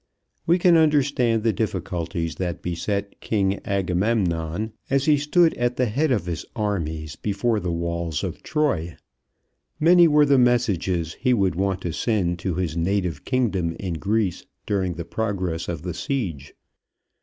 We can understand the difficulties that beset King Agamemnon as he stood at the head of his armies before the walls of Troy. Many were the messages he would want to send to his native kingdom in Greece during the progress of the siege.